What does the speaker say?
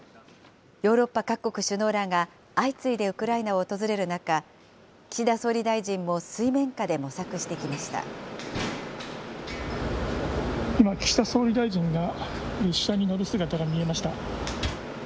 ヨーロッパ各国首脳らが相次いでウクライナを訪れる中、岸田総理今、岸田総理大臣が、列車に乗る姿が見えました。